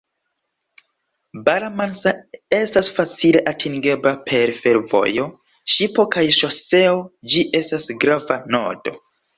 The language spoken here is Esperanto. Barra Mansa estas facile atingebla per fervojo, ŝipo kaj ŝoseo, ĝi estas grava nodo.